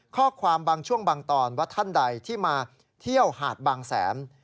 ข้อความบางช่วงบางตอนว่าท่านใดที่มาเที่ยวหาดบางแสน